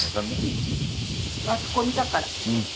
マスコミだから。